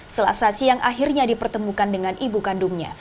selasa siang akhirnya dipertemukan dengan ibu kandungnya